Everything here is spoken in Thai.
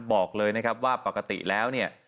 บอกเลยนะครับว่าปกติแล้วเนี่ย